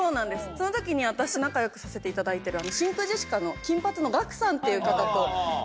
その時に仲良くさせていただいてる真空ジェシカの金髪のガクさんっていう方と。